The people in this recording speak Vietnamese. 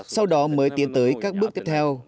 sau đó mới tiến tới các bước tiếp theo